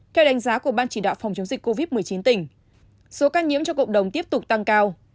theo đánh giá của ban chỉ đạo phòng chống dịch covid một mươi chín tỉnh số ca nhiễm cho cộng đồng tiếp tục tăng cao